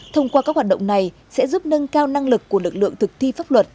thông qua các hoạt động này sẽ giúp nâng cao năng lực của lực lượng thực thi pháp luật